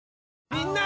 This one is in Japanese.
みんな！